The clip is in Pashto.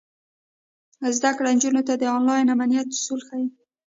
زده کړه نجونو ته د انلاین امنیت اصول ښيي.